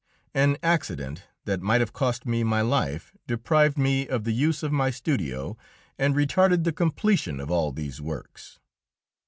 An accident that might have cost me my life deprived me of the use of my studio and retarded the completion of all these works.